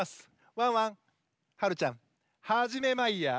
ワンワンはるちゃんはじめマイヤー。